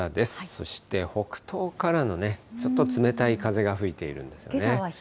そして北東からのちょっと冷たい風が吹いているんですね。